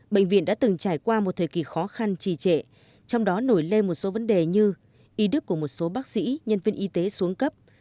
bệnh viện đã từng trải qua một thời kỳ khó khăn trì trệ trong đó nổi lên một số vấn đề như y đức của một số bác sĩ nhân viên y tế xuống cấp